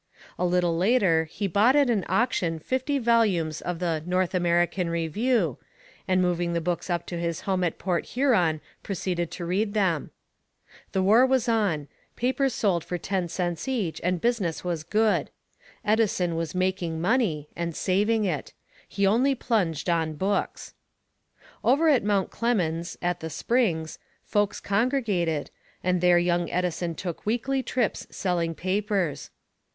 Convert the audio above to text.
A little later he bought at an auction fifty volumes of the "North American Review," and moving the books up to his home at Port Huron proceeded to read them. The war was on papers sold for ten cents each and business was good. Edison was making money and saving it. He only plunged on books. Over at Mount Clemens, at the Springs, folks congregated, and there young Edison took weekly trips selling papers.